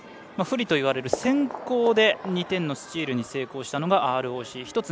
不利といわれる先攻で２点のスチールに成功したのがＲＯＣです。